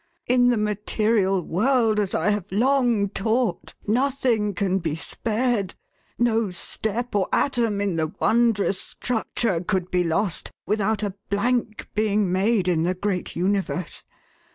In the material world, as I have long taught, nothing can be spared ; no step or atom in the wondrous structure could be lost, without a blank being made in the great universe.